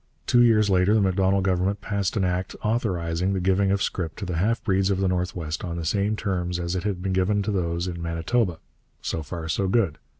Two years later the Macdonald Government passed an act authorizing the giving of scrip to the half breeds of the North West on the same terms as it had been given to those in Manitoba. So far so good.